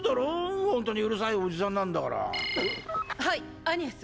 はいアニエス。